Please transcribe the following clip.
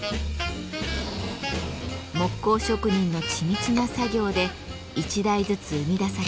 木工職人の緻密な作業で一台ずつ生み出されます。